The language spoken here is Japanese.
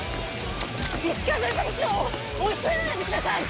石川巡査部長を追い詰めないでください！